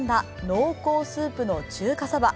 濃厚スープの中華そば。